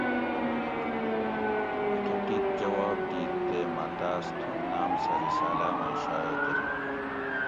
لکہۤ ٹھیک جواب دِیت تے مہۤ تاۤس تھُوں ناۤم سہۤ رسالاۤ مئ شایٔع کۤری